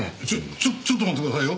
ちょっちょっと待ってくださいよ。